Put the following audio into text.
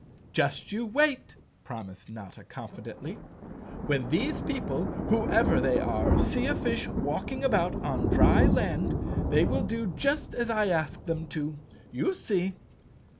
"Just you wait," promised Notta confidently. "When these people, whoever they are, see a fish walking about on dry land, they will do just as I ask them to. You see!"